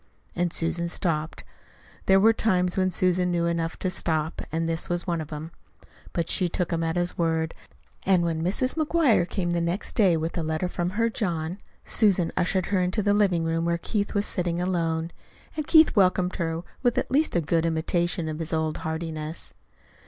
And Susan stopped. There were times when Susan knew enough to stop, and this was one of them. But she took him at his word, and when Mrs. McGuire came the next day with a letter from her John, Susan ushered her into the living room where Keith was sitting alone. And Keith welcomed her with at least a good imitation of his old heartiness.